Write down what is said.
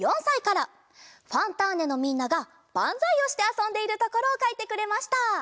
「ファンターネ！」のみんながバンザイをしてあそんでいるところをかいてくれました。